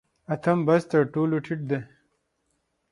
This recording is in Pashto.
اتم بست تر ټولو ټیټ دی